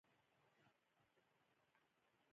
غرمه د ملګرو سره د ناستې وخت دی